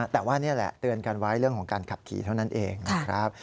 แต่ว่านี่แหละเตือนกันไว้เรื่องของการขับขี่เท่านั้นเองนะครับ